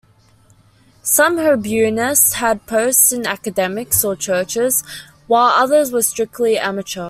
Some Hebraists had posts in academies or churches, while others were strictly amateur.